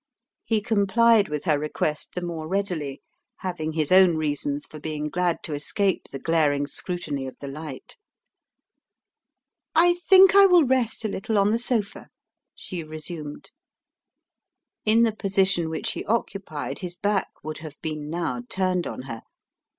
He complied with her request the more readily, having his own reasons for being glad to escape the glaring scrutiny of the light. "I think I will rest a little on the sofa," she resumed. In the position which he occupied his back would have been now turned on her.